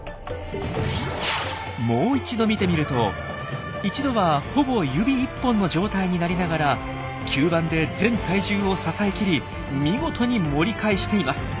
もう一度見てみると一度はほぼ指１本の状態になりながら吸盤で全体重を支えきり見事に盛り返しています。